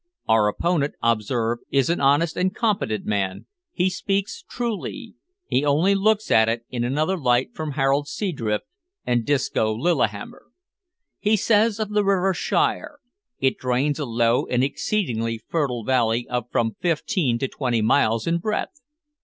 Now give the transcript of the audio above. Our opponent, observe, is an honest and competent man; he speaks truly; he only looks at it in another light from Harold Seadrift and Disco Lillihammer. He says of the river Shire, "It drains a low and exceedingly fertile valley of from fifteen to twenty miles in breadth.